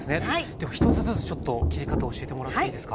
では１つずつちょっと切り方を教えてもらっていいですか？